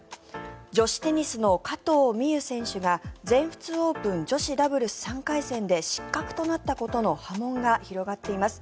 女子テニスの加藤未唯選手が全仏オープン女子ダブルス３回戦で失格となったことの波紋が広がっています。